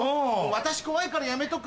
私怖いからやめとく。